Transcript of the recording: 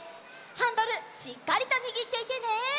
ハンドルしっかりとにぎっていてね。